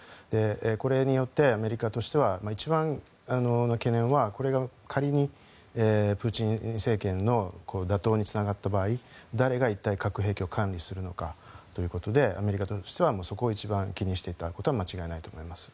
これによってアメリカとしては一番の懸念はこれが仮にプーチン政権の打倒につながった場合誰が一体、核兵器を管理するのかということでアメリカとしてはそこを一番懸念していたことは間違いないと思います。